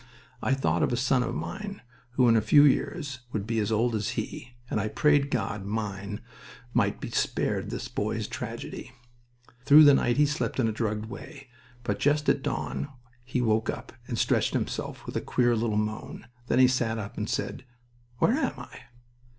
I thought of a son of mine, who in a few years would be as old as he, and I prayed God mine might be spared this boy's tragedy... Through the night he slept in a drugged way, but just at dawn he woke up and stretched himself, with a queer little moan. Then he sat up and said: "Where am I?"